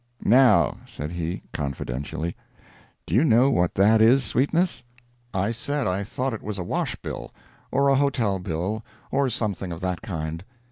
"Now," said he, confidentially, "do you know what that is, Sweetness?" I said I thought it was a wash bill, or a hotel bill, or some thing of that kind.